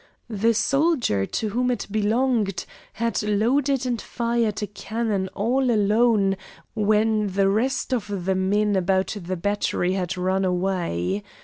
The soldier to whom it belonged had loaded and fired a cannon all alone when the rest of the men about the battery had run away.